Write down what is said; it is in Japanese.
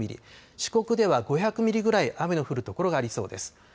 九州の北部は３００ミリ四国では５００ミリぐらい雨の降る所がありそうです。